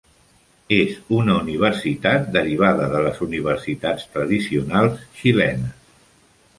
És una universitat derivada de les universitats tradicionals xilenes.